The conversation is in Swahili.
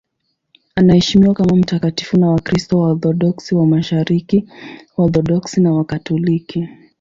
Anaheshimiwa kama mtakatifu na Wakristo Waorthodoksi wa Mashariki, Waorthodoksi na Wakatoliki.